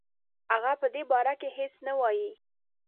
هغه په دې باره کې هیڅ نه وايي.